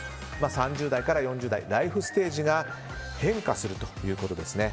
３０代から４０代ライフステージが変化するということですね。